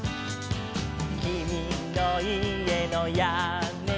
「きみのいえのやねや」